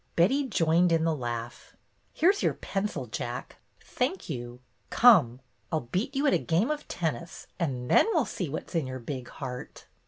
Betty joined in the laugh. "Here's your pencil, Jack. Thank you. Come, I 'll beat you at a game of tennis, and then we 'll see what 's in your ' big heart.